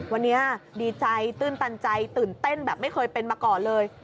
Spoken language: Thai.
วันนี้ดีใจตื้นตันใจตื่นเต้นแบบไม่เคยเป็นมาก่อนเลย